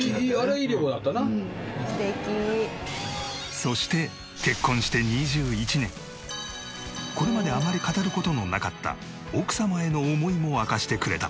「素敵」そして結婚して２１年これまであまり語る事のなかった奥様への思いも明かしてくれた。